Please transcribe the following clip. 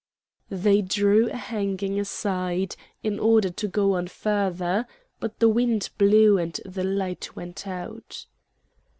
They drew a hanging aside, in order to go on further; but the wind blew and the light went out.